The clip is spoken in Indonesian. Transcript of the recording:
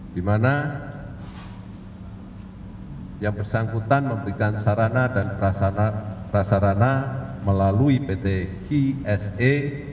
di mana yang bersangkutan memberikan sarana dan prasarana melalui pt ksa